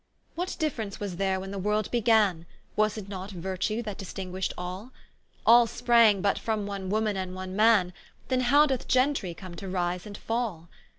What difference was there when the world began, Was it not Virtue that distinguisht all? All sprang but from one woman and one man, Then how doth Gentry come to rise and fall?